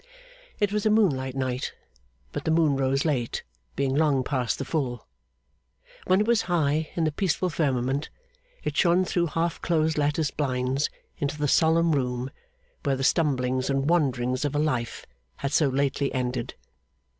It was a moonlight night; but the moon rose late, being long past the full. When it was high in the peaceful firmament, it shone through half closed lattice blinds into the solemn room where the stumblings and wanderings of a life had so lately ended.